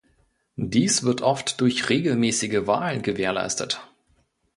Dies wird oft durch regelmäßige Wahlen gewährleistet.